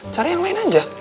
cari yang lain aja